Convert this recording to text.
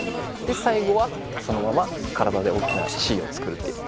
最後はそのまま体で大きな「Ｃ」を作るっていう。